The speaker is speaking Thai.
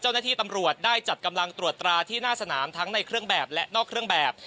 เจ้าหน้าที่ตำรวจได้จัดกำลังตรวจตราที่หน้าสนามทั้งในเครื่องแบบและนอกเครื่องแบบ